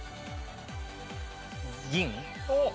『銀』。